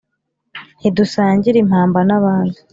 ntidusangira impamba n'abandi